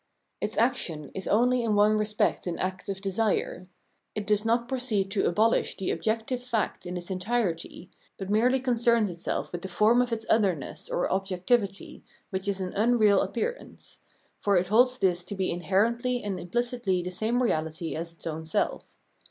f Its action is only in one respect an act of Desire ; it does not proceed to abolish the objective fact in its entirety, but merely concerns itself with the form of its otherness or objectivity, which is an unreal appear ance ; for it holds this to be inherently and imphcitly the same reahty as its own self.